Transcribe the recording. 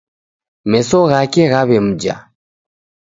Meso ghake ghaw'emja